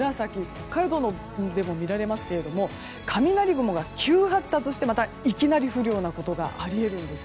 北海道でも見られますけれども雷雲が急発達していきなり降るようなことがあり得るんです。